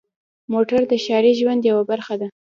موټر د ښاري ژوند یوه برخه ده.